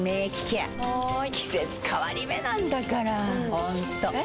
ホントえ？